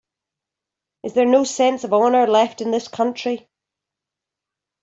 Is there no sense of honor left in this country?